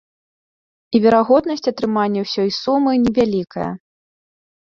І верагоднасць атрымання ўсёй сумы невялікая.